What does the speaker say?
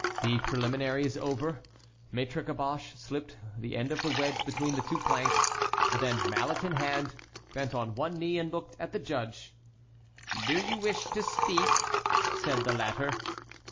The preliminaries over, Maître Caboche slipped the end of the wedge between the two planks, then, mallet in hand, bent on one knee and looked at the judge. "Do you wish to speak?" said the latter.